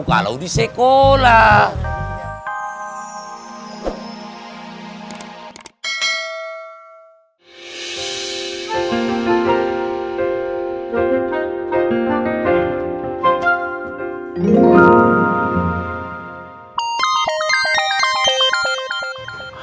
kalau di sekolah